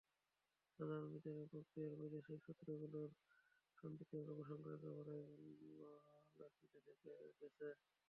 সাধারণ বিচারের প্রক্রিয়ায় বৈদেশিক সূত্রগুলোর সম্পৃক্ততা প্রসঙ্গ একেবারেই অনালোচিত থেকে গেছে।